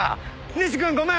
西君ごめん。